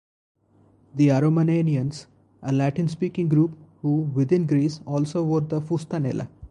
The Aromanians, a Latin speaking people who within Greece also wore the fustanella.